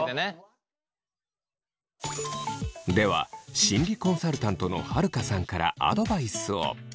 では心理コンサルタントの晴香さんからアドバイスを。